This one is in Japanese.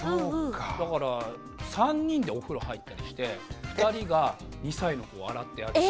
だから３人でお風呂入ったりして２人が２歳の子を洗ってあげたりとか。